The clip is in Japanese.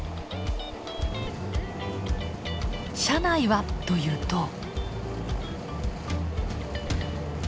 車内はというと。